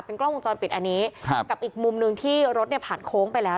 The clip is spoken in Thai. เป็นกล้องวงจรปิดอันนี้กับอีกมุมนึงที่รถผ่านโค้งไปแล้ว